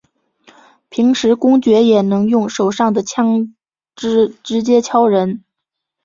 平时公爵也能用手上的枪枝直接敲人。